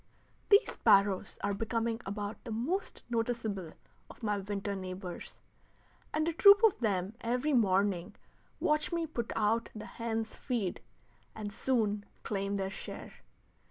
These sparrows are becoming about the most noticeable of my winter neighbors, and a troop of them every morning watch me put out the hens' feed, and soon claim their share.